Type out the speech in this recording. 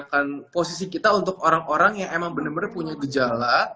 dan posisi kita untuk orang orang yang emang benar benar punya gejala